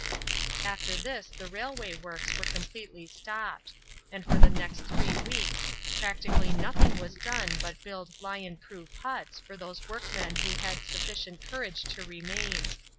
After this the railway works were completely stopped; and for the next three weeks practically nothing was done but build "lion proof" huts for those workmen who had had sufficient courage to remain.